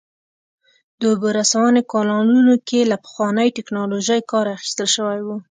د اوبو رسونې کانالونو کې له پخوانۍ ټکنالوژۍ کار اخیستل شوی و